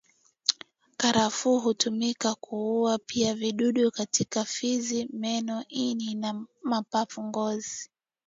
Karafuu hutumika kuua pia vidudu katika fizi meno ini na mapafu ngozi